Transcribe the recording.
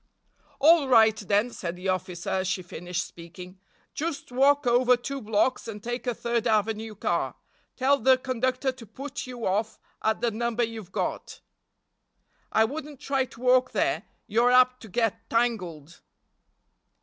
"All right, then," said the officer as she finished speaking. "Just walk over two blocks and take a Third avenue car. Tell the conductor to put you off at the number you've got. I wouldn't try to walk there—you're apt to get tangled."